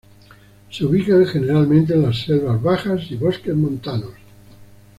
Se ubican generalmente en las selvas bajas y bosques montanos.